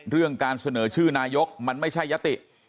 เรื่องการเสนอชื่อนายกมันไม่ใช่ยติ